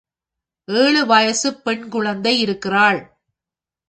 ஏழு வயசுப் பெண் குழந்தை இருக்கிறாள்.